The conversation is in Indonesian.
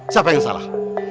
siapa yang salah